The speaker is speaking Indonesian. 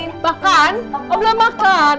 makan oblah makan